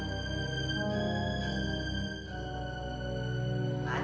gak betul nih